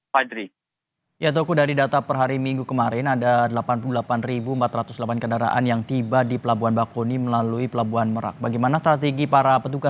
sehingga dengan cara memberikan edukasi kepada para pemudik yang akan berangkat melalui pelabuhan bakau heni ke pulau jawa